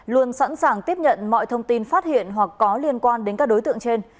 luôn sẵn sàng tiếp nhận mọi thông tin phát hiện hoặc có liên quan đến các đối tượng trên